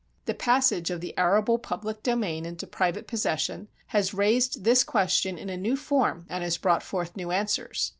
The passage of the arable public domain into private possession has raised this question in a new form and has brought forth new answers.